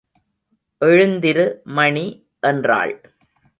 எழுந்திரு மணி என்றாள்.